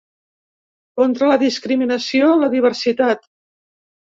Contra la discriminació, la diversitat.